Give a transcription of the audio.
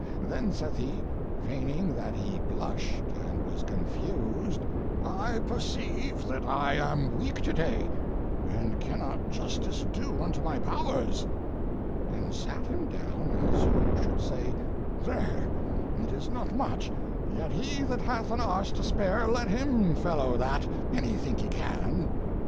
Then saith he, feigning that he blushed and was confused, I perceive that I am weak to day, and cannot justice do unto my powers; and sat him down as who should say, There, it is not much yet he that hath an arse to spare, let him fellow that, an' he think he can.